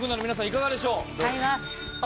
いかがでしょう？